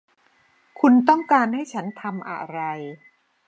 คุณต้องการให้ฉันทำอะไร ?